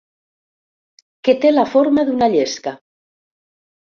Que té la forma d'una llesca.